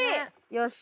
よし。